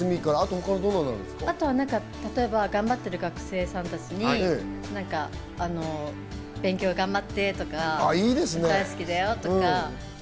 他は頑張ってる学生さんたちに勉強頑張ってとか、大好きだよとか。